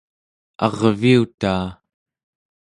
arviutaa